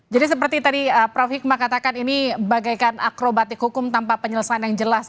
jadi seperti tadi prof hikmah katakan ini bagaikan akrobatik hukum tanpa penyelesaian yang jelas